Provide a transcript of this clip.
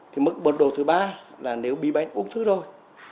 thì mức bật đồ thứ ba là nếu bị bệnh ung thư rồi